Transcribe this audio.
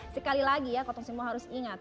sekali lagi ya kota semua harus ingat